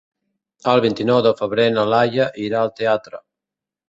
El vint-i-nou de febrer na Laia irà al teatre.